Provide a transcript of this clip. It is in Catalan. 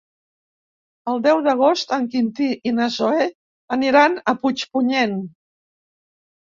El deu d'agost en Quintí i na Zoè aniran a Puigpunyent.